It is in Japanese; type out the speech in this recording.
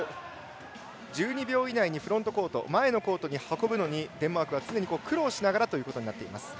１２秒以内にフロントコート前のコートに運ぶのにデンマークが常に苦労しながらということになっています。